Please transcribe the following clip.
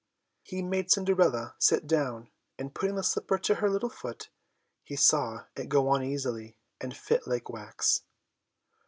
He made Cinderella sit down, and putting the slipper to her little foot, he saw it go on easily and fit like wax.